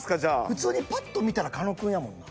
普通にパッと見たら狩野くんやもんな。